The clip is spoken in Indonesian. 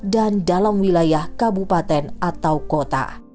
dan dalam wilayah kabupaten atau kota